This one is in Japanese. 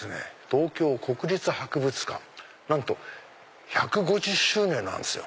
東京国立博物館なんと１５０周年なんですよ。